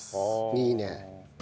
いいねえ。